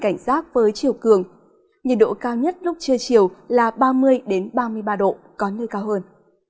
nhiệt độ cao nhất lúc chưa chiều là ba mươi ba mươi ba độ có nơi cao hơn